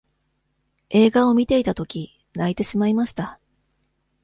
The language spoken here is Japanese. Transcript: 映画を見ていたとき、泣いてしまいました。